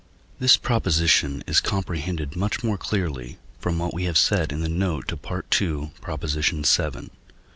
This proposition is comprehended much more clearly from what we have said in the note to II. vii.